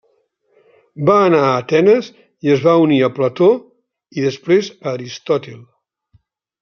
Va anar a Atenes i es va unir a Plató i, després, a Aristòtil.